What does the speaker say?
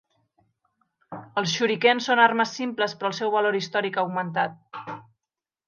Els shuriken són armes simples, però el seu valor històric ha augmentat.